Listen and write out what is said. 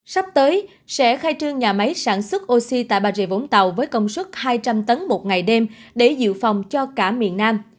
sắp tới sẽ khai trương nhà máy sản xuất oxy tại bà rịa vũng tàu với công suất hai trăm linh tấn một ngày đêm để dự phòng cho cả miền nam